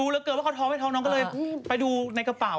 แล้วน้องก็เลยไปดูในกระเป๋า